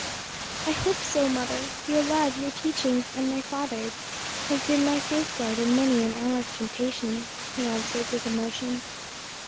"I hope so, mother; your love, your teachings and my father's have been my safeguard in many an hour of temptation," he answered with emotion.